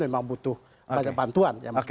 memang butuh banyak bantuan